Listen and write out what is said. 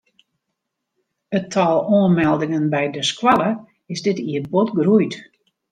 It tal oanmeldingen by de skoalle is dit jier bot groeid.